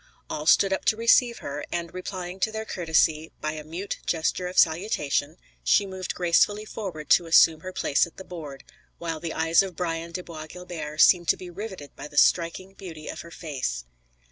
All stood up to receive her, and replying to their courtesy by a mute gesture of salutation, she moved gracefully forward to assume her place at the board, while the eyes of Brian de Bois Guilbert seemed to be riveted by the striking beauty of her face.